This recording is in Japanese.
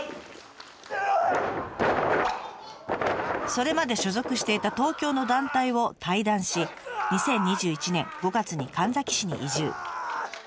それまで所属していた東京の団体を退団し２０２１年５月に神埼市に移住。